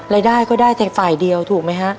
รายได้ก็ได้แต่ฝ่ายเดียวถูกไหมฮะ